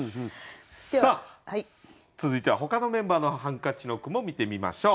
さあ続いてはほかのメンバーの「ハンカチ」の句も見てみましょう。